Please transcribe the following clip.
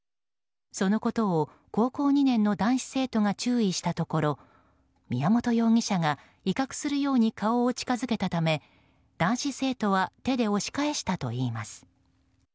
そのことを高校２年の男子生徒が注意したところ宮本容疑者が威嚇するように顔を近づけたため男子生徒は手で押し返したといいます。